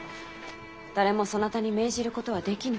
誰もそなたに命じることはできぬ。